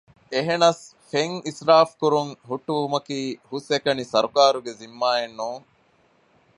އެހެނަސް ފެން އިސްރާފުކުރުން ހުއްޓުވުމަކީ ހުސްއެކަނި ސަރުކާރުގެ ޒިންމާއެއް ނޫން